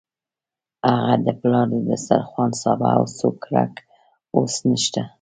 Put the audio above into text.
هغه د پلار د دسترخوان سابه او سوکړک اوس نشته.